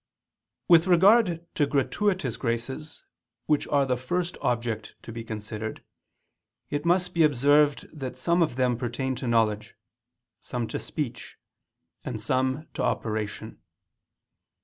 With regard to gratuitous graces, which are the first object to be considered, it must be observed that some of them pertain to knowledge, some to speech, and some to operation.